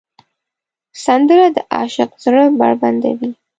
سندره د عاشق زړه بربنډوي